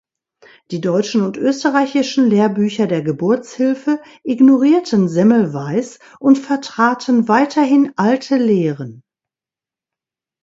Die deutschen und österreichischen Lehrbücher der Geburtshilfe ignorierten Semmelweis und vertraten weiterhin alte Lehren.